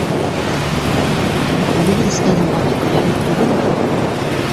Үҙебеҙ эскән һыуға төкөрәбеҙ түгелме?